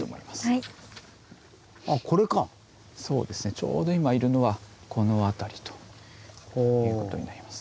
ちょうど今いるのはこの辺りということになります。